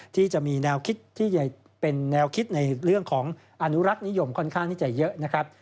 ที่จะมีแนวคิดที่จะเป็นแนวคิดในเรื่องของอนุรักษ์นิยมค่อนข้างที่จะเยอะนะครับ